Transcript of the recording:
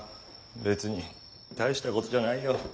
別に大したことじゃないよ。